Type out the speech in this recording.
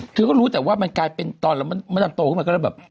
เธอรู้แต่ว่ามันกลายเป็นตอนต้องแบบ